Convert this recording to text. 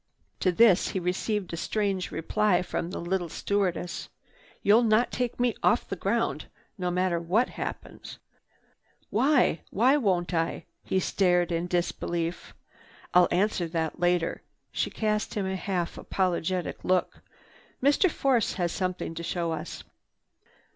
To this he received a strange reply from the little stewardess: "You'll not take me off the ground, no matter what happens." "Why? Why won't I?" He stared in unbelief. "I'll answer that later." She cast him a half apologetic look. "Mr. Force has something to show us."